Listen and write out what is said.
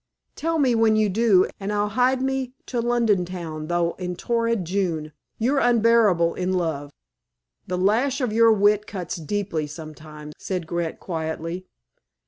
"Tell me when you do, and I'll hie me to London town, though in torrid June. You're unbearable in love." "The lash of your wit cuts deeply sometimes," said Grant quietly.